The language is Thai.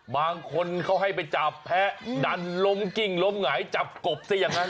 บางคนเขาให้ไปจับแพ้ดันล้มกิ้งล้มหงายจับกบซะอย่างนั้น